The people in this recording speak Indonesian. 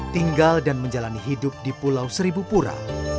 tinggal dan menjalani hidup di pulau seribu pura